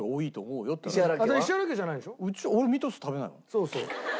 そうそう。